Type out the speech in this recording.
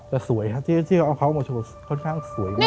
แต่สวยครับที่เขาเอาเขามาโชว์ค่อนข้างสวยมาก